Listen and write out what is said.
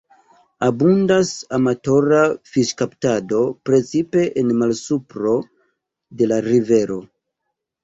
Abundas amatora fiŝkaptado, precipe en malsupro de la rivero.